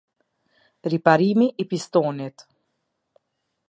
Riparimi i pistonit